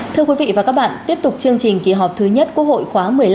thưa quý vị và các bạn tiếp tục chương trình kỳ họp thứ nhất quốc hội khóa một mươi năm